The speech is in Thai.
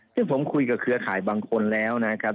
ซึ่งผมคุยกับเครือข่ายบางคนแล้วนะครับ